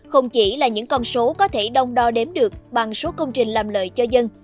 không chỉ là những con số có thể đông đo đếm được bằng số công trình làm lợi cho dân